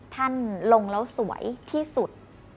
ท่านลงแล้วสวยที่สุด